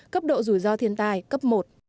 cấp độ rủi ro thiên tai cấp một